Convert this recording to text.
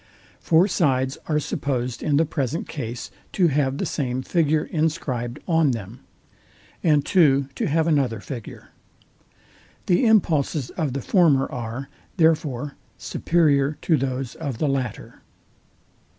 Four sides are supposed in the present case to have the same figure inscribed on them, and two to have another figure. The impulses of the former are, therefore, superior to those of the latter.